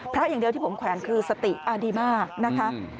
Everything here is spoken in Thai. อย่างเดียวที่ผมแขวนคือสติดีมากนะคะ